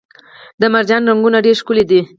د مرجان رنګونه ډیر ښکلي دي